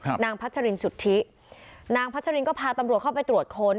นางพัชรินสุธินางพัชรินก็พาตำรวจเข้าไปตรวจค้น